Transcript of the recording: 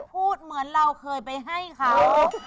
พูดเหมือนเราเคยไปให้เขา